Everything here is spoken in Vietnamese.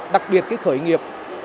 đặc biệt cái khởi nghiệp